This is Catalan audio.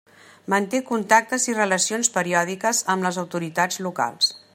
Manté contactes i relacions periòdiques amb les autoritats locals.